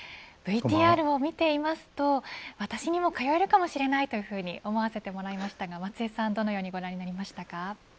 ＶＴＲを見ていますと私にも通えるかもしれないというふうに思わせてもらいましたが松江さんはどう思いましたか。